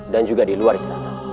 dan juga di luar istana